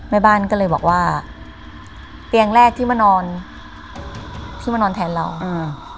แม่บ้านก็เลยบอกว่าเตียงแรกที่มานอนที่มานอนแทนเราอืม